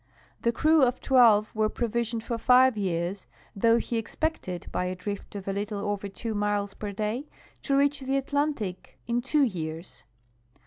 The crew of twelve were provisioned for five years, though he expected, by a drift of a little over two miles per day, to reach the Atlantic in two years.